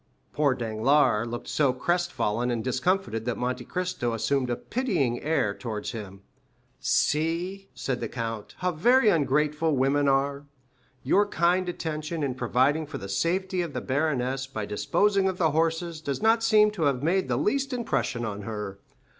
Poor Danglars looked so crest fallen and discomfited that Monte Cristo assumed a pitying air towards him. "See," said the count, "how very ungrateful women are. Your kind attention, in providing for the safety of the baroness by disposing of the horses, does not seem to have made the least impression on her.